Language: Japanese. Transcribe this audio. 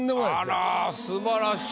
あらすばらしい。